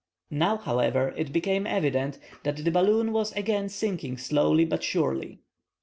Now, however, it became evident that the balloon was again sinking slowly but surely.